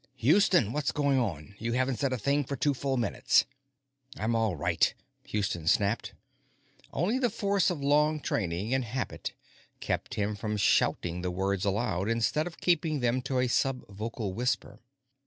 "Houston! What's going on? You haven't said a thing for two full minutes!" "I'm all right!" Houston snapped. Only the force of long training and habit kept him from shouting the words aloud instead of keeping them to a subvocal whisper.